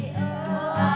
saya berharap pak